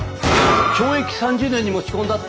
懲役３０年に持ち込んだって！？